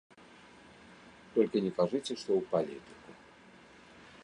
Толькі не кажыце, што ў палітыку.